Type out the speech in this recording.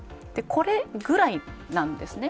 これぐらいなんですね。